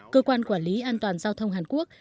cơ quan quản lý an toàn giao thông hàn quốc